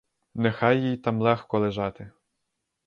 Нехай їй там легко лежати.